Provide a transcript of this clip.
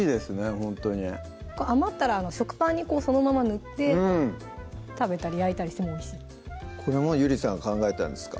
ほんとに余ったら食パンにこうそのまま塗って食べたり焼いたりしてもおいしいこれもゆりさんが考えたんですか？